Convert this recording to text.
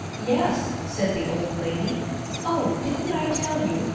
"Yes," said the old lady. "Oh, didn't I tell you?